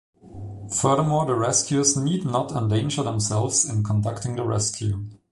Furthermore, the rescuers need not endanger themselves in conducting the rescue.